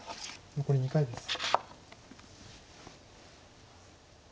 残り２回です。